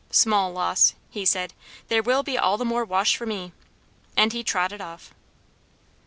"Small loss!" he said. "There will be all the more wash for me!" And he trotted off.